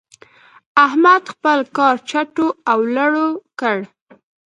احمد خپل کار چټو او لړو کړ.